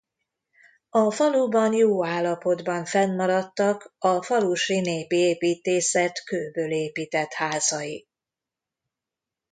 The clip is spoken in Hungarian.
A faluban jó állapotban fennmaradtak a falusi népi építészet kőből épített házai.